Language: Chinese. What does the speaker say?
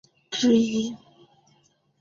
对讲机是此类通信方式的例子之一。